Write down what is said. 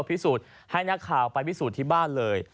พิสูจน์ให้นักข่าวไปพิสูจน์ที่บ้านเลย